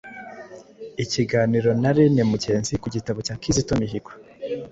Ikiganiro na Rene Mugenzi ku gitabo cya Kizito Mihigo